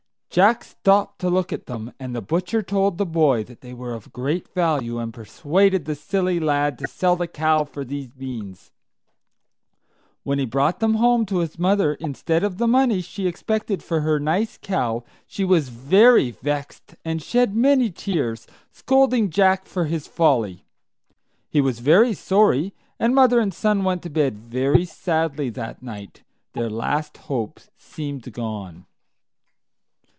Jack stopped to look at them, and the butcher told the boy that they were of great value, and persuaded the silly lad to sell the cow for these beans. When he brought them home to his mother instead of the money she expected for her nice cow, she was very vexed and shed many tears, scolding Jack for his folly. He was very sorry, and mother and son went to bed very sadly that night; their last hope seemed gone.